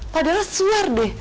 padahal suar deh